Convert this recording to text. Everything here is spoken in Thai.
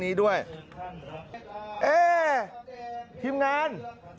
เอ้ยทีมงาน